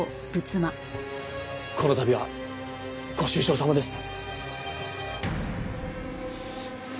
この度はご愁傷さまです。